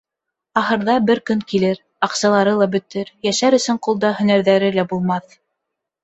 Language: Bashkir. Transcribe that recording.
Ахырҙа бер көн килер, аҡсалары ла бөтөр, йәшәр өсөн ҡулда һөнәрҙәре лә булмаҫ.